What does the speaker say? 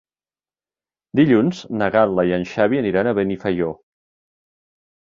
Dilluns na Gal·la i en Xavi aniran a Benifaió.